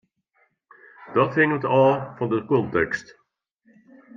Dat hinget ôf fan de kontekst.